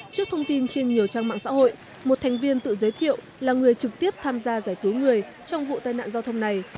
trước thông tin trên nhiều trang mạng xã hội một thành viên tự giới thiệu là người trực tiếp tham gia giải cứu người trong vụ tai nạn giao thông này